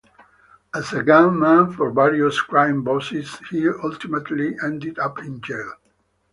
As a gun man for various crime bosses, he ultimately ended up in jail.